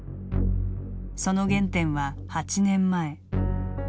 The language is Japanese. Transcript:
その原点は８年前。